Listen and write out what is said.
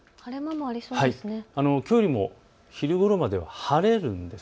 きょうよりも昼ごろまでは晴れるんです。